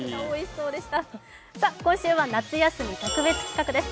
今週は夏休み特別企画です。